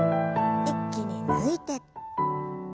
一気に抜いて。